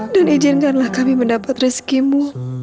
dan izinkanlah kami mendapat rezekimu